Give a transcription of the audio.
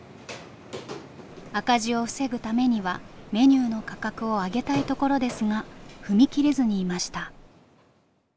赤字を防ぐためにはメニューの価格を上げたいところですが踏み切れずにいました。